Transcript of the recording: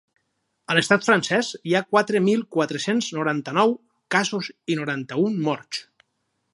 A l’estat francès hi ha quatre mil quatre-cents noranta-nou casos i noranta-un morts.